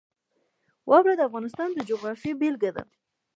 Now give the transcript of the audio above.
واوره د افغانستان د جغرافیې بېلګه ده.